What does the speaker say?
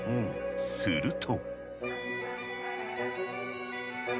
すると。